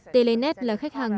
telenet là khách hàng